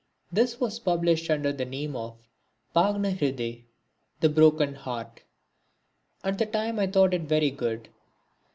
This was published under the name of Bhagna Hriday, The Broken Heart. At the time I thought it very good.